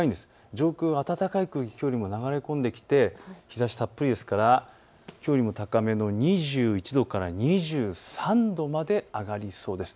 上空、暖かい空気が流れ込んできて、日ざしたっぷりですからきょうよりも高めの２１度から２３度まで上がりそうです。